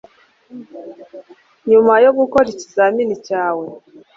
Nyuma yo gukora ikizamini cyawe